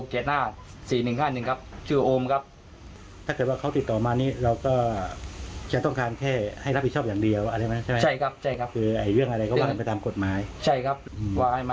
ใช่ครับส่วนเรื่องหลังกฎหมาย